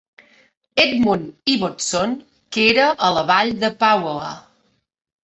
Edmund Ibbotson, que era a la vall de Pauoa.